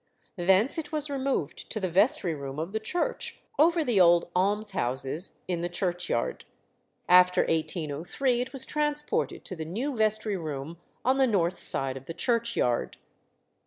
Thence it was removed to the vestry room of the church, over the old almshouses in the churchyard. After 1803 it was transported to the new vestry room on the north side of the churchyard.